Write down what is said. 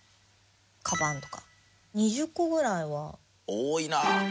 多いな。